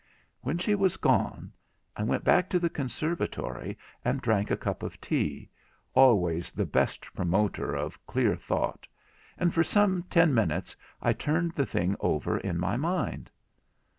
When she was gone, I went back to the conservatory and drank a cup of tea, always the best promotor of clear thought; and for some ten minutes I turned the thing over in my mind.